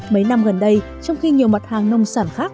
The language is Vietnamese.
mấy năm gần đây trong khi nhiều mặt hàng nông sản khác